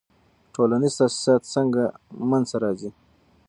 ټولنیز تاسیسات څنګه منځ ته راځي؟